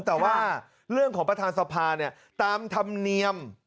แต่ว่าเรื่องของประธานสภาเนี่ยตามธรรมเนียม